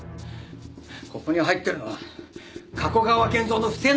ここに入ってるのは加古川源蔵の不正の秘密だ！